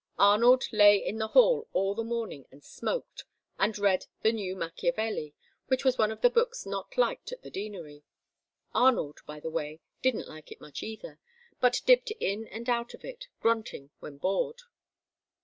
Arnold lay in the hall all the morning and smoked and read The New Machiavelli, which was one of the books not liked at the Deanery. (Arnold, by the way, didn't like it much either, but dipped in and out of it, grunting when bored.)